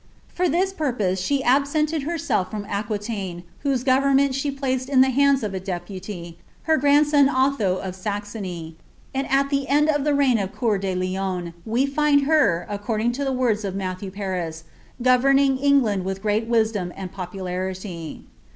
For this purpow Kite abseiiied Imrseir from Aquilaine. whose government she plnrel id the hands of a deputy, lier grandson Olho of Saxony ;* and at ihn cii' of the reign of Cteur de Lion, we liud her, according to the wiwh of Matthew Paris, "■ governing England will) great wisdom and pop> loriiy."